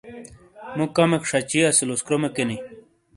مُو کمیک شَچی اسیلوس کرومےکِینی۔